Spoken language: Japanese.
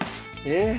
え？